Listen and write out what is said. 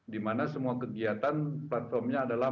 dimana semua kegiatan platformnya adalah